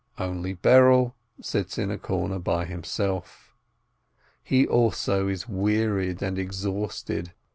Only Berel sits in a corner by himself. He also is wearied and exhausted.